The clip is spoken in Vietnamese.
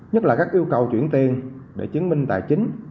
nhất là các yêu cầu chuyển tiền để chứng minh tài chính